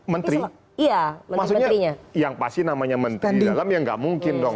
maksudnya yang pasti namanya menteri di dalam ya nggak mungkin dong